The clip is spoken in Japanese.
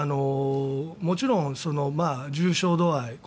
もちろん、重症度合い